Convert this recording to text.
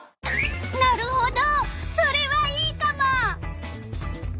なるほどそれはいいカモ！